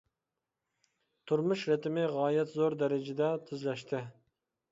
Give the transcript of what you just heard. تۇرمۇش رىتىمى غايەت زور دەرىجىدە تېزلەشتى.